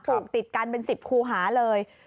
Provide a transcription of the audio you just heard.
ลูกติดกันเป็น๑๐คูหาเลย